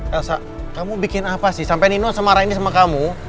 elsa kamu bikin apa sih sampai nino sama raini sama kamu